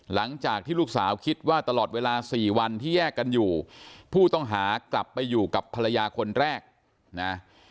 หลังจากที่ลูกสาวคิดว่าตลอดเวลาสี่วันที่แยกกันอยู่ผู้ต้องหากลับไปอยู่กับภรรยาคนแรกนะ